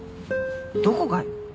どこがよ。